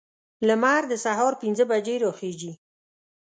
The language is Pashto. لمر د سهار پنځه بجې راخیزي.